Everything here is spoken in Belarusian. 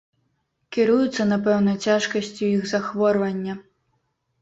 Кіруюцца, напэўна, цяжкасцю іх захворвання.